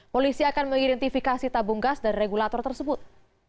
polisi akan mengidentifikasi tabung gas dan regulator tersebut